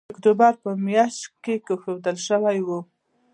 د اکتوبر په مياشت کې کېښودل شوی وو